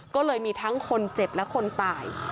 ก็เลยมีทั้งคนเจ็บและคนตาย